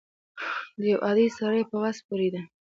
د یو عادي سړي په وس پوره ده.